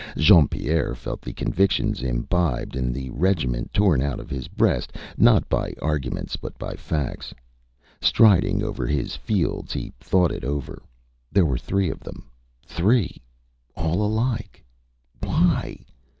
Jean Pierre felt the convictions imbibed in the regiment torn out of his breast not by arguments but by facts. Striding over his fields he thought it over. There were three of them. Three! All alike! Why?